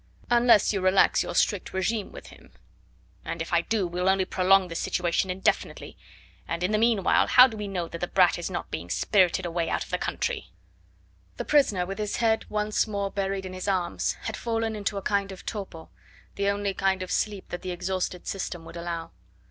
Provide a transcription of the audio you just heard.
"Unless you relax your strict regime with him." "And if I do we'll only prolong this situation indefinitely; and in the meanwhile how do we know that the brat is not being spirited away out of the country?" The prisoner, with his head once more buried in his arms, had fallen into a kind of torpor, the only kind of sleep that the exhausted system would allow.